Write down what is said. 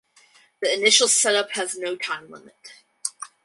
The initial setup has no time limit.